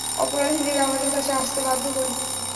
অপরাধীদের আমাদের কাছে আসতে বাধ্য করি।